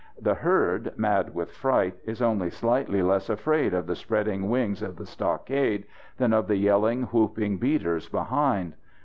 The herd, mad with fright, is only slightly less afraid of the spreading wings of the stockade than of the yelling, whooping beaters behind.